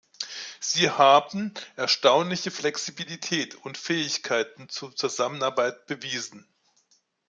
Sie haben erstaunliche Flexibilität und Fähigkeiten zur Zusammenarbeit bewiesen.